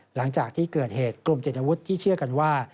หลังจากที่เกิดเหตุกลุ่มติดอาวุธที่เชื่อกันว่า